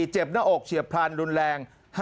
๔เจ็บหน้าอกเฉียบพรรณรุนแรง